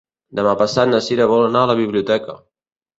Demà passat na Cira vol anar a la biblioteca.